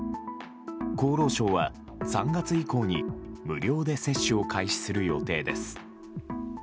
厚労省は、３月以降に無料で接種を開始する予定です。